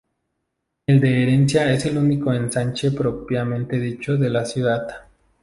El de Heredia es el único ensanche propiamente dicho de la ciudad.